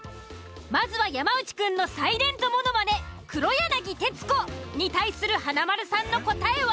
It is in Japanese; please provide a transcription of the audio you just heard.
まずは山内くんのサイレントものまね「黒柳徹子」に対する華丸さんの答えは。